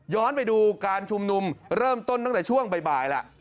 ไปดูการชุมนุมเริ่มต้นตั้งแต่ช่วงบ่ายแล้ว